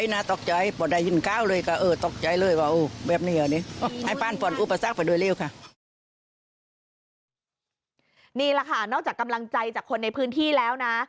นี่แหละค่ะนอกจากกำลังใจจากคนในพื้นที่แล้วนะ